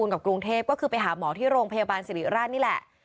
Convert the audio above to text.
กับกรุงเทพก็คือไปหาหมอที่โรงพยาบาลสิริราชนี่แหละ